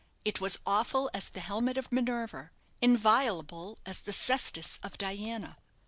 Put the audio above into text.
It was awful as the helmet of Minerva, inviolable as the cestus of Diana.